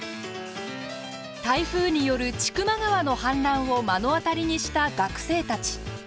台風による千曲川の氾濫を目の当たりにした学生たち。